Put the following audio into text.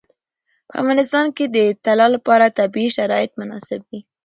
په افغانستان کې د طلا لپاره طبیعي شرایط مناسب دي.